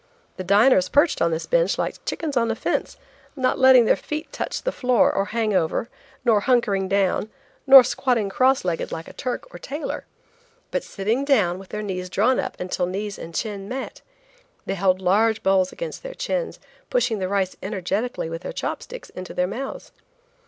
The diners perched on this bench like chickens on a fence, not letting their feet touch the floor, or hang over, nor "hunkering" down, nor squatting crossed legged like a Turk or tailor, but sitting down with their knees drawn up until knees and chin met; they held large bowls against their chins, pushing the rice energetically with their chop sticks into their mouths.